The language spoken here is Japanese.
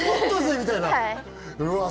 みたいな。